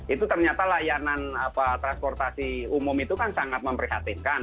itu ternyata layanan transportasi umum itu kan sangat memprihatinkan